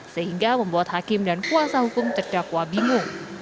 sehingga membuat hakim dan kuasa hukum terdakwa bingung